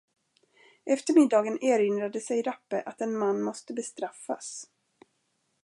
Efter middagen erinrade sig Rappe att en man måste bestraffas.